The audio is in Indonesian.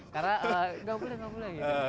karena nggak boleh nggak boleh gitu